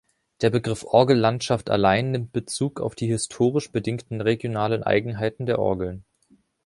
Der Begriff Orgellandschaft allein nimmt Bezug auf die historisch bedingten regionalen Eigenheiten der Orgeln.